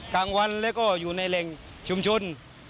กลางวันแล้วก็อยู่ในแหล่งชุมชน